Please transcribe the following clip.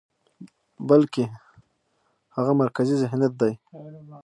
بلکې هغه مرکزي ذهنيت دى،